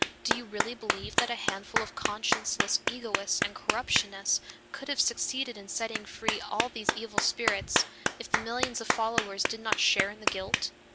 Do you really believe that a handful of conscienceless egoists and corruptionists could have succeeded in setting free all these evil spirits, if the millions of followers did not share in the guilt?